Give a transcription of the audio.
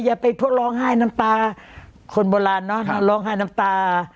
อย่าไปร้องไห้น้ำตาคนโบราณเนอะร้องไห้น้ำตา